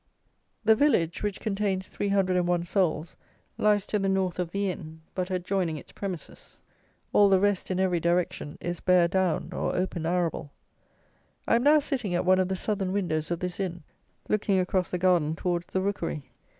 The village, which contains 301 souls, lies to the north of the inn, but adjoining its premises. All the rest, in every direction, is bare down or open arable. I am now sitting at one of the southern windows of this inn, looking across the garden towards the rookery.